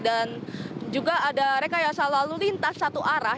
dan juga ada rekayasa lalu lintas satu arah